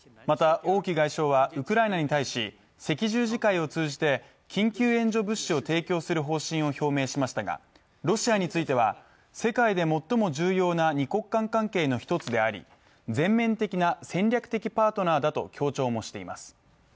また王毅外相はウクライナに対し赤十字会を通じて緊急援助物資を提供する方針を表明しましたがロシアについては世界で最も重要な二国間関係の一つであり全面的な戦略的パートナーだと強調もしています。